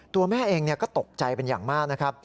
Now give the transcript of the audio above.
ตัวแม่เองก็ตกใจเป็นอย่างมากนะครับ